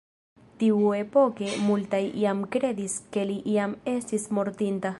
Tiuepoke, multaj jam kredis ke li jam estis mortinta.